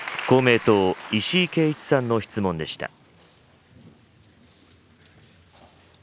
公明党、石井啓一さんの質問でした。